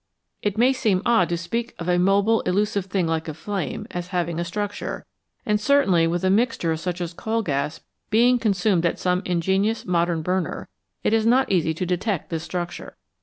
It may seem odd to speak of a mobile, elusive thing like a flame as having a structure, and certainly with a mixture such as coal gas being con sumed at some ingenious modern burner, it is not easy to detect this structure.